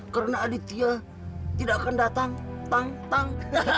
karena aditya tidak akan datang tang tang